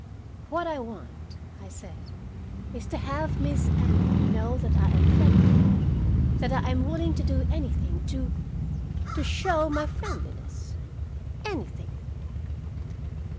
"What I want," I said, "is to have Miss Emily know that I am friendly that I am willing to do anything to to show my friendliness. Anything."